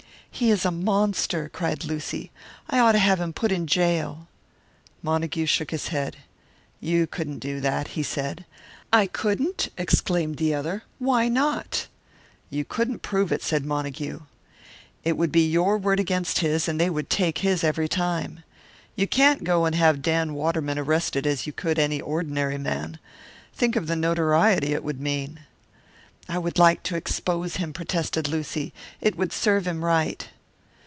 "He is a monster!" cried Lucy. "I ought to have him put in jail." Montague shook his head. "You couldn't do that," he said. "I couldn't!" exclaimed the other. "Why not?" "You couldn't prove it," said Montague. "It would be your word against his, and they would take his every time. You can't go and have Dan Waterman arrested as you could any ordinary man. And think of the notoriety it would mean!" "I would like to expose him," protested Lucy. "It would serve him right!"